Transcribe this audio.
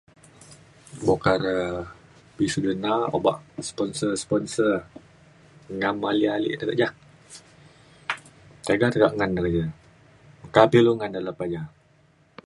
bo kak re pisiu de na obak sponsor sponsor ngam ale ale te ke ja. tiga tekak ngan de le je meka pa ilu ngan le lepa ja.